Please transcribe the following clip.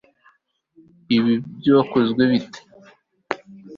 Ibi byakozwe bite